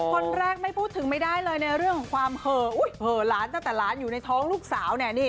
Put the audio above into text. คนแรกไม่พูดถึงไม่ได้เลยในเรื่องของความเห่อหลานตั้งแต่หลานอยู่ในท้องลูกสาวเนี่ย